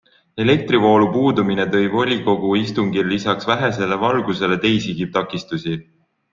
Elektrivoolu puudumine tõi volikogu istungil lisaks vähesele valgusele teisigi takistusi.